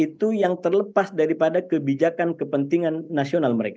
itu yang terlepas daripada kebijakan kepentingan nasional mereka